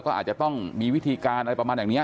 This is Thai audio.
ก็อาจจะต้องมีวิธีการอะไรประมาณอย่างนี้